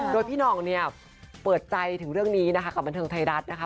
โดยพี่หน่องเนี่ยเปิดใจถึงเรื่องนี้นะคะกับบันเทิงไทยรัฐนะคะ